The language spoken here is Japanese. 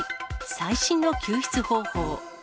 最新の救出方法。